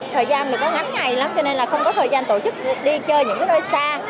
thời gian là có ngắn ngày lắm cho nên là không có thời gian tổ chức đi chơi những cái đôi xa